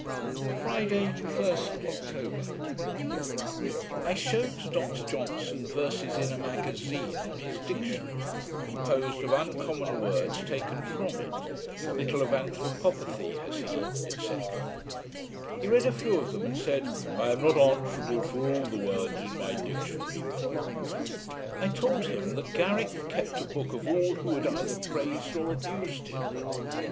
Friday, 1st October I shewed to Dr Johnson verses in a magazine, on his Dictionary, composed of uncommon words taken from it: Little of Anthropopathy has he, &c." He read a few of them, and said, 'I am not answerable for all the words in my Dictionary.' I told him, that Garrick kept a book of all who had either praised or abused him.